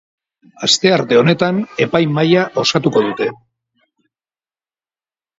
Astearte honetan epaimahaia osatuko dute.